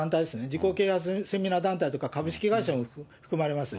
自己啓発セミナー団体とか株式会社も含まれます。